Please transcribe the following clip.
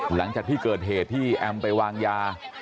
หลังจากที่เกิดเหตุที่แอมไปวางยา